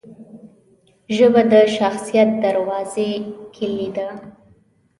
ژبه د شخصیت دروازې کلۍ ده